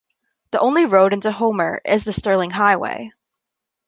The only road into Homer is the Sterling Highway.